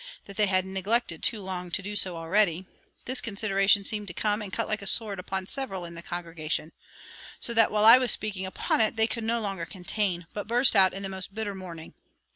that they had neglected too long to do so already, this consideration seemed to come and cut like a sword upon several in the congregation; so that while I was speaking upon it they could no longer contain, but burst out in the most bitter mourning.